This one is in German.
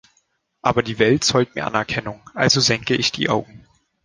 Aber die Welt zollt mir Anerkennung, also senke ich die Augen.